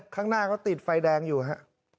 ข้างหน้าก็ติดไฟแดงอยู่ฮะ